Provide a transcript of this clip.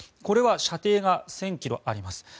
これは射程が１０００ｋｍあります。